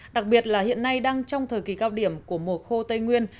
đặc biệt là hiện nay đang trong thời kỳ cao điểm của mùa khô tây nguyên